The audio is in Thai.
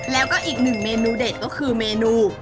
แล้วก็อีกหนึ่งเมนูเด็ดก็คือเมนู